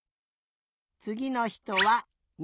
つぎのひとは２。